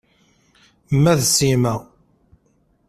Ma d Sima.